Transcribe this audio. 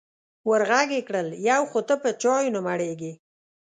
ور غږ یې کړل: یو خو ته په چایو نه مړېږې.